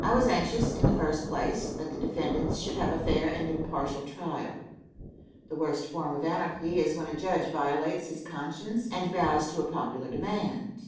I was anxious, in the first place, that the defendants should have a fair and impartial trial. The worst form of anarchy is when a judge violates his conscience and bows to a popular demand.